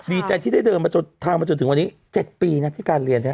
ดีใจที่ได้เดินมาจนทางมาจนถึงวันนี้๗ปีนะที่การเรียน